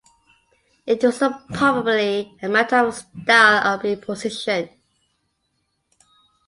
It was probably a matter of style of exposition.